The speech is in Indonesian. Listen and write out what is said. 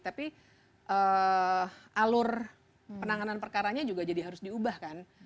tapi alur penanganan perkaranya juga jadi harus diubah kan